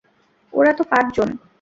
ওরা তো পাঁচজন।